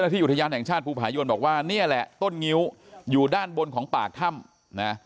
ที่อุทยานแห่งชาติภูผายนบอกว่านี่แหละต้นงิ้วอยู่ด้านบนของปากถ้ำนะ